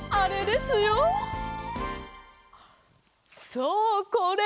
そうこれ！